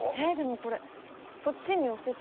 こっちに寄せて。